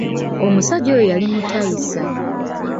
Omusajja oyo yali mutayisa.